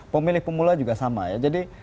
pemilih pemula juga sama ya jadi